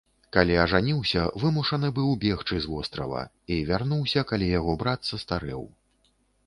Калі ажаніўся, вымушаны быў бегчы з вострава, і вярнуўся, калі яго брат састарэў.